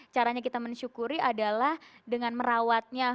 caranya kita mensyukuri adalah dengan merawatnya